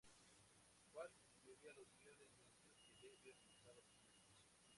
Falk escribía los guiones mientras que Davis realizaba los dibujos.